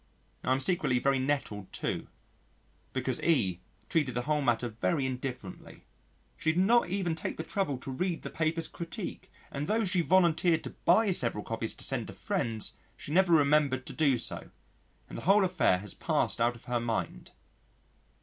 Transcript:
I am secretly very nettled too because E treated the whole matter very indifferently. She did not even take the trouble to read the paper's critique, and tho' she volunteered to buy several copies to send to friends, she never remembered to do so, and the whole affair has passed out of her mind.